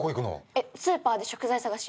えっスーパーで食材探し。